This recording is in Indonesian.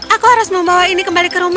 aku harus membawa ini kembali ke rumah